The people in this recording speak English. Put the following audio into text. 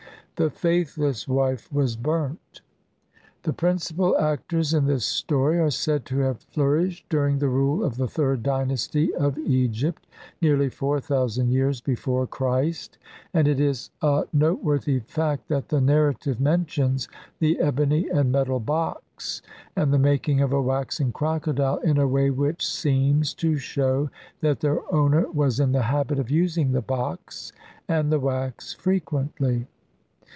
The faithless wife was burnt. The principal actors in this story are said to have flou rished during the rule of the third dynasty of Egypt, nearly four thousand years before Christ, and it is a noteworthy fact that the narrative mentions the ebony and metal box and the making of a waxen crocodile in a way which seems to shew that their owner was in the habit of using the box and the wax frequently.'